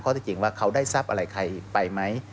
ที่จริงว่าเขาได้ทรัพย์อะไรใครไปไหม